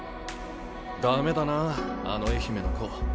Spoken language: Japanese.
駄目だなあの愛媛の子。